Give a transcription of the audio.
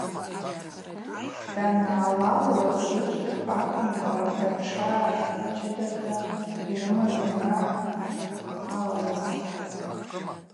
Дангӏалалуаз рыжв акӏвымкӏва датша чӏыдата йрымаз зымгӏва гӏалалцӏатӏ.